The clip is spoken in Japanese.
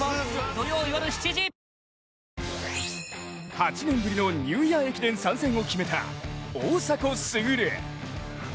８年ぶりのニューイヤー駅伝参戦を決めた大迫傑。